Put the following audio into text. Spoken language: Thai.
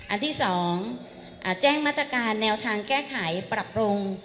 อันที่๒แจ้งมาตรการแนวทางแก้ไขปรับปรุง